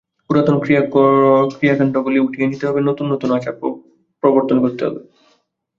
পুরাতন ক্রিয়াকাণ্ডগুলি উঠিয়ে দিতে হবে, নূতন নূতন আচার অনুষ্ঠান প্রবর্তন করতে হবে।